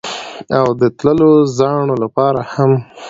او د تللو زاڼو لپاره هم